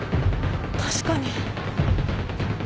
確かに。